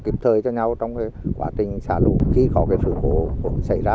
kịp thời cho nhau trong quá trình xả lũ khi có sự hỗn hợp xảy ra